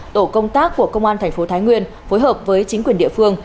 tổ công tác của công an thành phố thái nguyên phối hợp với chính quyền địa phương